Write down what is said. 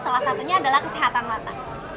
salah satunya adalah kesehatan mata